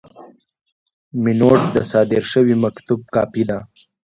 مینوټ د صادر شوي مکتوب کاپي ده.